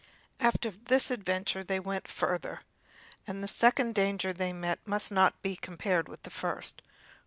After this adventure they went farther, but the second danger they met with must not be compared with the first.